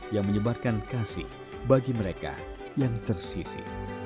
yang menyebarkan kasih bagi mereka yang tersisi